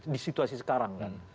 di situasi sekarang kan